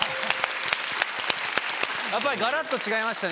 やっぱりガラッと違いましたね